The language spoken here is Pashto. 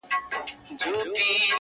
د یارانې مثال د تېغ دی!.